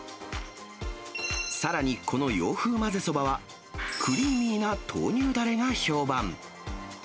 さらにこの洋風まぜそばは、クリーミーな豆乳ダレが評判。